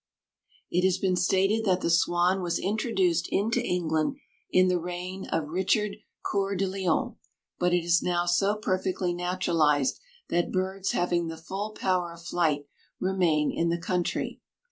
It has been stated that the swan was introduced into England in the reign of Richard Coeur de Lion; but it is now so perfectly naturalized that birds having the full power of flight remain in the country.